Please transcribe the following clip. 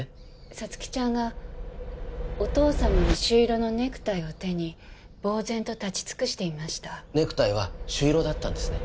皐月ちゃんがお義父様の朱色のネクタイを手にぼう然と立ちつくしていましたネクタイは朱色だったんですね